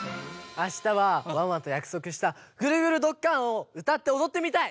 あしたはワンワンとやくそくした「ぐるぐるどっかん！」をうたっておどってみたい！